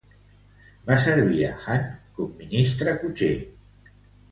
Va servir a Han com Ministre Cotxer.